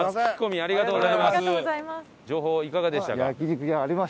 情報いかがでしたか？